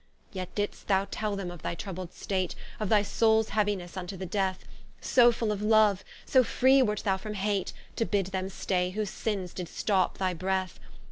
Yet didst thou tell them of thy troubled state, Of thy Soules heauinesse vnto the death, So full of Loue, so free wert thou from hate, To bid them stay, whose sinnes did stop thy breath.